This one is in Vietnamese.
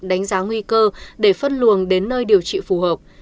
đánh giá nguy cơ để phân luồng đến nơi điều trị phù hợp